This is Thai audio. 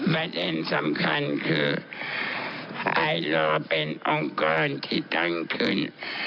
ประเด็นสำคัญคือไอลอร์เป็นองค์กรที่ตั้งขึ้น